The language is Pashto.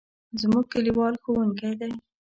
زموږ کلیوال ښوونکی دی.